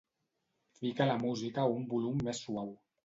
Fica la música a un volum més suau.